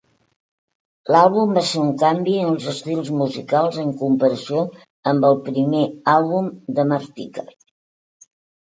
L'àlbum va ser un canvi en els estils musicals en comparació amb el primer àlbum de Martika.